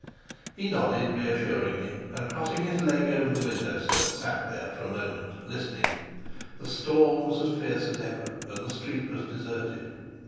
He nodded reassuringly, and crossing his leg over the windowsill, sat there for a moment listening. The storm was as fierce as ever, and the street was deserted.